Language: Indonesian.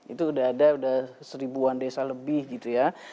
itu udah ada udah seribuan desa lebih gitu ya